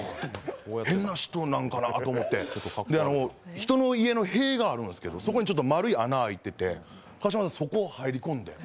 変な人なんかなと思って人の家の塀があるんですけどそこに丸い穴が開いてて川島さん、そこに入り込んで。